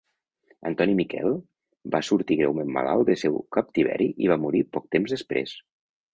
Antoni Miquel va sortir greument malalt del seu captiveri i va morir poc temps després.